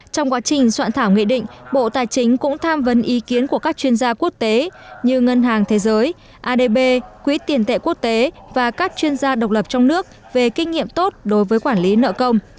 trong quá trình soạn thảo nghị định bộ tài chính cũng tham vấn ý kiến của các chuyên gia quốc tế như ngân hàng thế giới adb quỹ tiền tệ quốc tế và các chuyên gia độc lập trong nước về kinh nghiệm tốt đối với quản lý nợ công